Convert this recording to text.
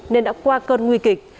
nên đã qua cơn nguy kịch